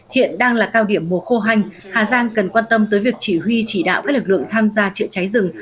hiện đang là cao điểm mùa khô hanh hà giang cần quan tâm tới việc chỉ huy chỉ đạo các lực lượng tham gia chữa cháy rừng